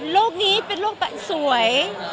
โลกนี้เป็นโลกสวย